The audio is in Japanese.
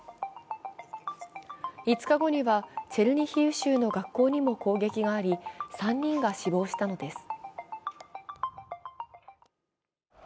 ５日後にはチェルニヒウ州の学校にも攻撃があり３人が死亡したのです。